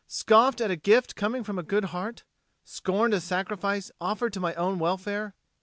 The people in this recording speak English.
Scoffed at a gift coming from a good heart; scorned a sacrifice offered to my own welfare.